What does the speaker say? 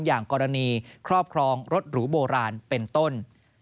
อย่างกรณีครอบครองรถหรูโบราณเป็นต้น